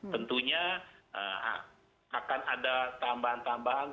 tentunya akan ada tambahan tambahan